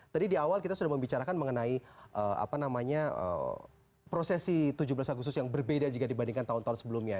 tadi di awal kita sudah membicarakan mengenai prosesi tujuh belas agustus yang berbeda jika dibandingkan tahun tahun sebelumnya